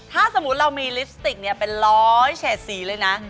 ถ้าสมมุติเรามีลิปสติกเป็นร้อยเฉดสีเลยนะ